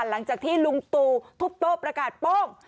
หลังจากที่ลุงตูทุบโต้ประกาศโป้ง